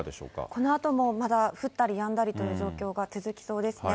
このあともまだ、降ったりやんだりという状況が続きそうですね。